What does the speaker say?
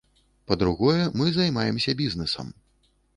Па-другое, мы займаемся бізнэсам.